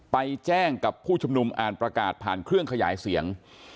ไปแจ้งกับผู้ชุมนุมอ่านประกาศผ่านเครื่องขยายเสียง